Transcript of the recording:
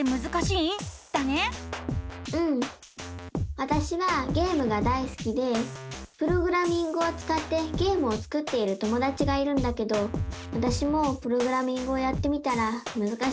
わたしはゲームがだいすきでプログラミングをつかってゲームを作っている友だちがいるんだけどわたしもプログラミングをやってみたらむずかしくて。